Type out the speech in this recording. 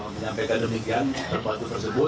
menyampaikan demikian terbatas tersebut